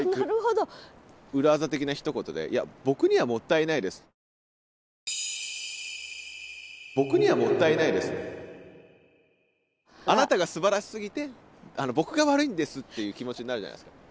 裏技的なひと言であなたがすばらしすぎて僕が悪いんですっていう気持ちになるじゃないですか。